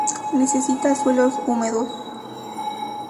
Necesita suelos húmedos.